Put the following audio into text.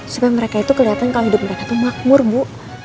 supaya mereka itu kelihatan kalau hidup mereka itu makmur bu